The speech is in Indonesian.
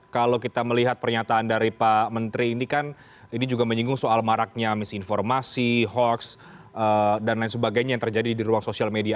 kalau kita melihat pernyataan dari pak menteri ini kan ini juga menyinggung soal maraknya misinformasi hoax dan lain sebagainya yang terjadi di ruang sosial media